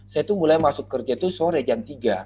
saya tuh mulai masuk kerja itu sore jam tiga